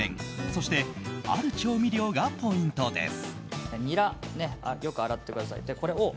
そして、ある調味料がポイントです。